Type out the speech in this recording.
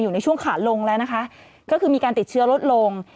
ในช่วงขาลงแล้วนะคะก็คือมีการติดเชื้อลดลง